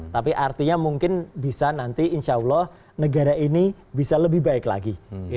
tapi artinya mungkin bisa nanti insya allah negara ini bisa lebih baik lagi